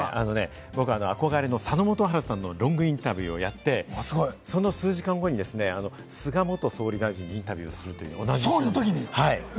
僕、憧れの佐野元春さんのロングインタビューをやって、その数時間後に菅元総理大臣にインタビューするという、同じ日に。